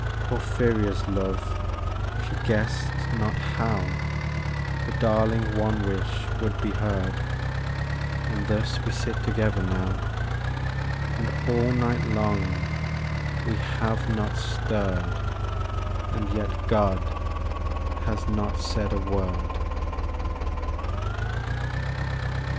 Porphyria's love: she guessed not how Her darling one wish would be heard. And thus we sit together now, And all night long we have not stirred, And yet God has not said a word!